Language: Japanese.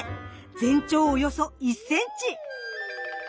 全長およそ１ｃｍ！